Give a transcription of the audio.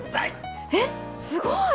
えっすごい！